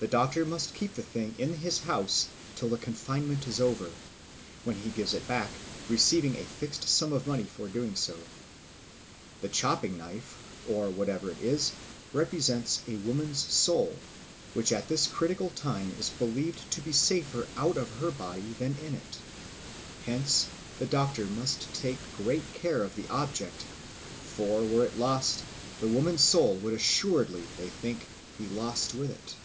The doctor must keep the thing in his house till the confinement is over, when he gives it back, receiving a fixed sum of money for doing so. The chopping knife, or whatever it is, represents the woman's soul, which at this critical time is believed to be safer out of her body than in it. Hence the doctor must take great care of the object; for were it lost, the woman's soul would assuredly, they think, be lost with it.